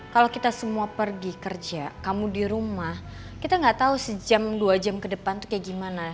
kalau kita semua pergi kerja kamu di rumah kita nggak tahu sejam dua jam ke depan tuh kayak gimana